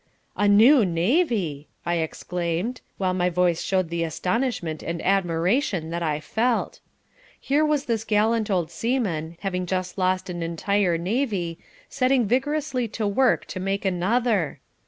"A new navy!" I exclaimed, while my voice showed the astonishment and admiration that I felt. Here was this gallant old seaman, having just lost an entire navy, setting vigorously to work to make another.